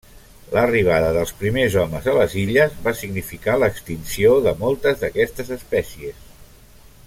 L'arribada dels primers homes a les illes va significar l'extinció de moltes d'aquestes espècies.